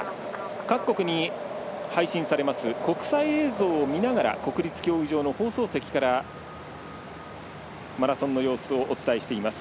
各国に配信されます国際映像を見ながら国立競技場の放送席からマラソンの様子をお伝えしています。